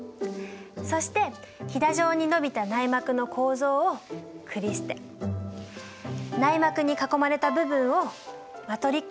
そしてひだ状に伸びた内膜の構造をクリステ内膜に囲まれた部分をマトリックスっていうんだよ。